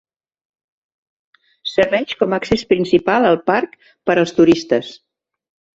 Serveix com a accés principal al parc per als turistes.